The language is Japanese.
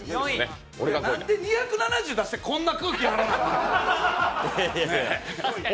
なんで２７０出してこんな空気になんねん。